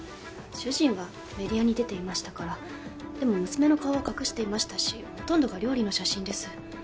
主人はメディアに出ていましたからでも娘の顔は隠していましたしほとんどが料理の写真です